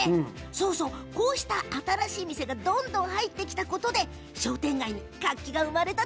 そうそう、こうした新しい店がどんどん入ってきたことで商店街に活気が生まれた